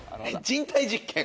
人体実験。